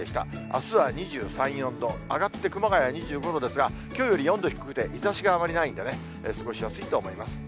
あすは２３、４度、上がって熊谷２５度ですが、きょうより４度低くて、日ざしがあまりないんでね、過ごしやすいと思います。